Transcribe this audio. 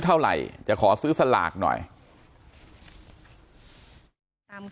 การแก้เคล็ดบางอย่างแค่นั้นเอง